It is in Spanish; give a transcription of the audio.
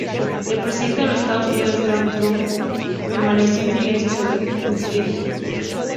El presidente de los Estados Unidos, Donald Trump, permaneció en silencio sobre el incidente.